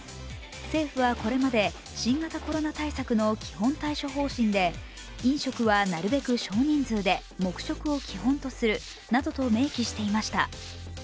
政府はこれまで新型コロナ対策の基本対処方針で飲食はなるべく少人数で黙食を基本とするなどと明記していました。